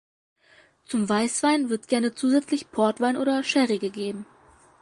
Zum Weißwein wird gerne zusätzlich Portwein oder Sherry gegeben.